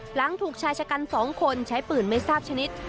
หลังถูกชายชะกัน๒คนใช้ปืนไม่ทราบชนิด